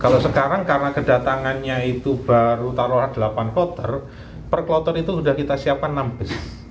kalau sekarang karena kedatangannya itu baru taruhlah delapan kloter per kloter itu sudah kita siapkan enam bus